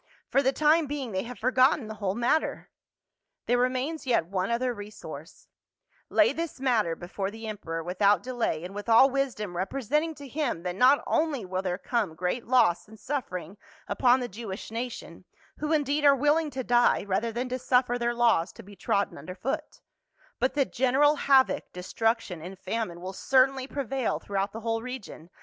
For the time being they have forgotten the whole matter.* There remains yet one other resource ; lay this matter before the emperor without delay and with all wisdom, representing to him that not only will there come great loss and suffering upon the Jewish nation — who indeed are willing to die rather than to suffer their laws to be trodden under foot, but that general havoc, destruction and famine will certainly prevail throughout the whole region, * Acts, ix. 31. THE COLOSSUS OF SIDON.